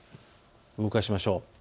動かしましょう。